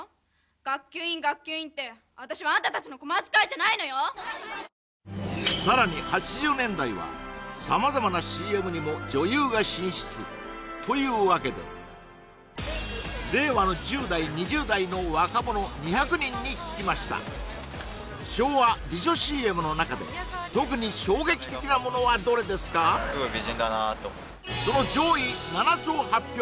学級委員学級委員って私はあんた達のこま使いじゃないのよさらに８０年代は様々なＣＭにも女優が進出というわけで令和の１０代２０代の若者２００人に聞きました昭和美女ＣＭの中で特に衝撃的なものはどれですかその上位７つを発表